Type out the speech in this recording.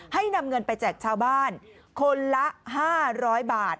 นำเงินไปแจกชาวบ้านคนละ๕๐๐บาท